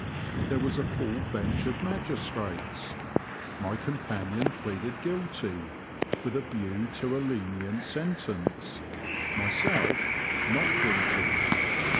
There was a full bench of Magistrates ; my companion pleaded guilty (with a view to a lenient sentence) ; myself — not guilty.